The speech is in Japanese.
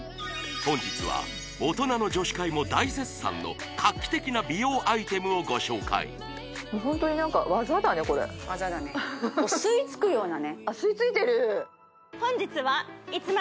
本日は大人の女史会も大絶賛の画期的な美容アイテムをご紹介ホントに何か技だねこれ技だね吸い付くようなねあっ